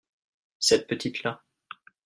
Cette petite-là.